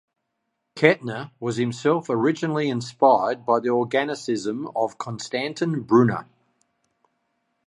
Kettner was himself originally inspired by the organicism of Constantin Brunner.